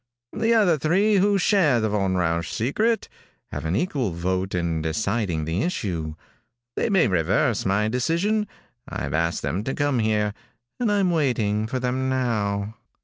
"The other three who share the Von Rausch secret have an equal vote in deciding the issue. They may reverse my decision. I've asked them to come here, and I'm waiting for them now."